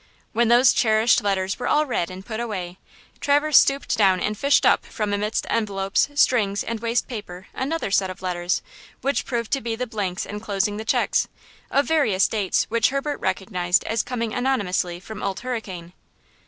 When those cherished letters were all read and put away, Traverse stooped down and "fished up" from amidst envelopes, strings and waste paper another set of letters which proved to be the blanks enclosing the checks, of various dates, which Herbert recognized as coming anonymously from Old Hurricane.